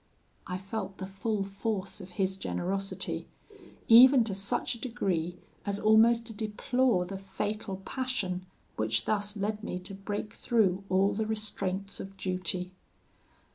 "I felt the full force of his generosity, even to such a degree as almost to deplore the fatal passion which thus led me to break through all the restraints of duty.